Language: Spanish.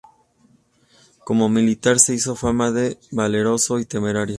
Como militar se hizo fama de valeroso y temerario.